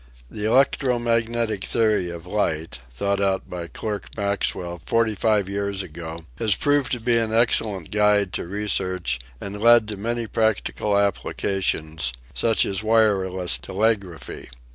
The electro magnetic theory of light, thought out by Clerk Maxwell forty five years ago, has proved to be an excellent guide to research and led to many practical applications, such as wireless telegraphy.